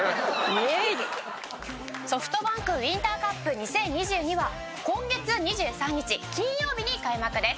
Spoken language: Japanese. ＳｏｆｔＢａｎｋウインターカップ２０２２は今月２３日金曜日に開幕です。